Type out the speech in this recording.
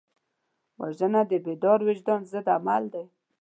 وژنه د بیدار وجدان ضد عمل دی